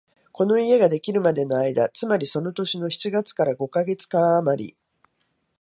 この家ができるまでの間、つまりその年の七月から五カ月間あまり、